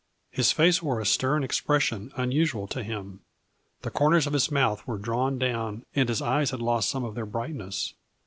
His face wore a stern ex pression unusual to him, the corners of his mouth were drawn down, and his eyes had lost some of their brightness.